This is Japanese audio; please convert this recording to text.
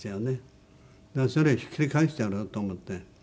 だからそれをひっくり返してやろうと思って。